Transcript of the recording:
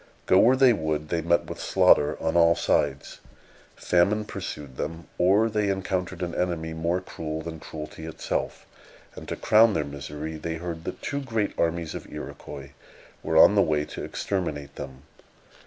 Go where they would, they met with slaughter on all sides. Famine pursued them, or they encountered an enemy more cruel than cruelty itself; and, to crown their misery, they heard that two great armies of Iroquois were on the way to exterminate them....